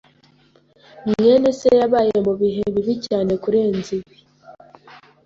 mwene se yabaye mubihe bibi cyane kurenza ibi.